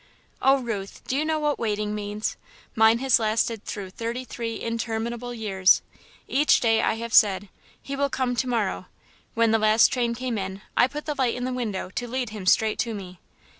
"Oh, Ruth, do you know what waiting means? Mine has lasted through thirty three interminable years. Each day, I have said: 'he will come to morrow.' When the last train came in, I put the light in the window to lead him straight to me.